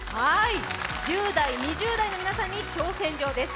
１０２０代の皆さんに挑戦状です。